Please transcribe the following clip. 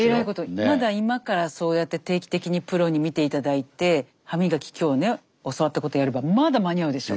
まだ今からそうやって定期的にプロに見ていただいて歯みがき今日ね教わったことやればまだ間に合うでしょ。